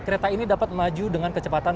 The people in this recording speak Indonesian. kereta ini dapat melaju dengan kecepatan